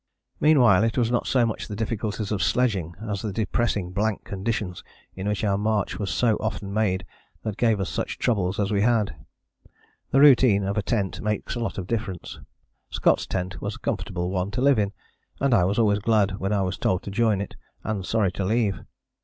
Meanwhile it was not so much the difficulties of sledging as the depressing blank conditions in which our march was so often made, that gave us such troubles as we had. The routine of a tent makes a lot of difference. Scott's tent was a comfortable one to live in, and I was always glad when I was told to join it, and sorry to leave.